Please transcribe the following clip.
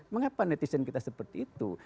mengapa netizen kita seperti itu